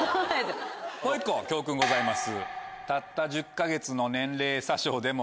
もう１個教訓ございます。